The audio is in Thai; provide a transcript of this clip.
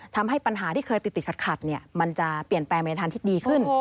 ทำให้ปัญหาที่เคยติดขัดมันจะเปลี่ยนแปลงไปในทางที่ดีขึ้น